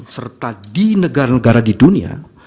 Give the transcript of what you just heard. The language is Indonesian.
serta di negara negara di dunia